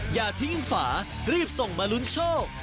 อย่าทิ้งฝารีบส่งมาลุ้นโชค